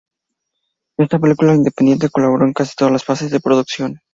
En esta película independiente colaboró en casi todas las fases de producción.